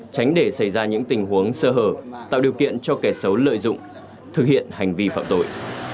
tránh để xảy ra những tình huống sơ hở tạo điều kiện cho kẻ xấu lợi dụng thực hiện hành vi phạm tội